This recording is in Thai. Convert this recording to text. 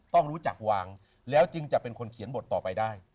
ต้องรู้จักวางแล้วจึงจะเป็นคนเขียนบทต่อไปได้